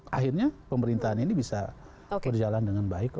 akhirnya pemerintahan ini bisa berjalan dengan baik